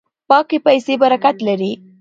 پاکې پیسې برکت لري.